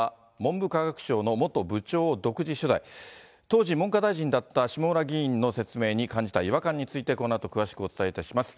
当時、文科大臣だった下村議員の説明に感じた違和感についてこのあと詳しくお伝えいたします。